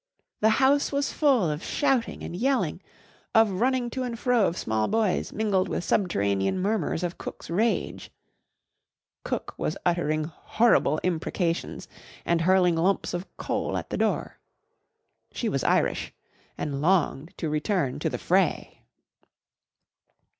The house was full of shouting and yelling, of running to and fro of small boys mingled with subterranean murmurs of cook's rage. Cook was uttering horrible imprecations and hurling lumps of coal at the door. She was Irish and longed to return to the fray.